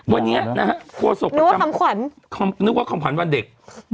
วันนี้นะฮะนึกว่าคำขวัญวันเด็ก